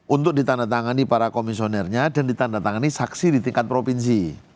untuk ditandatangani para komisionernya dan ditandatangani saksi di tingkat provinsi